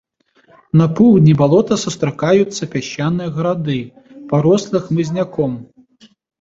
На поўдні балота сустракаюцца пясчаныя грады, парослыя хмызняком.